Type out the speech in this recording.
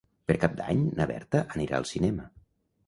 Per Cap d'Any na Berta anirà al cinema.